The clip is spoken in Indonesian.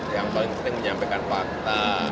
yang paling penting menyampaikan fakta